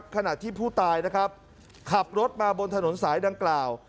ขณะที่ผู้ตายนะครับขับรถมาบนถนนสายดังกล่าว